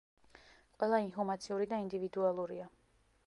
ყველა ინჰუმაციური და ინდივიდუალურია.